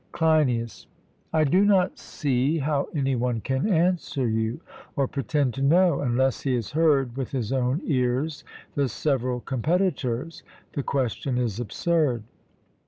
CLEINIAS: I do not see how any one can answer you, or pretend to know, unless he has heard with his own ears the several competitors; the question is absurd.